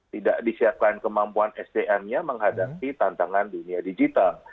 tidak disiapkan kemampuan sdm nya menghadapi tantangan dunia digital